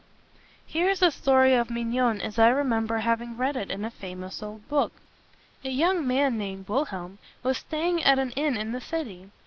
Here is the story of Mignon as I remember having read it in a famous old book. A young man named Wil helm was staying at an inn in the city.